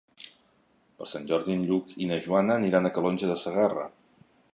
Per Sant Jordi en Lluc i na Joana aniran a Calonge de Segarra.